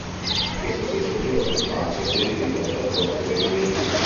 Questo stesso giorno Pace si ritirò dal corpo dei Marines.